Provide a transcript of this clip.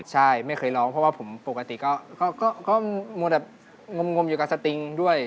ใช่ไม่เคยร้องเพราะว่าผมปกติก็มัวแต่งมอยู่กับสติงด้วย